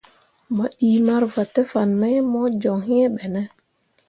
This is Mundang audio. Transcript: Mo ɗii marvǝǝ te fan mai mo joŋ iŋ ɓene ?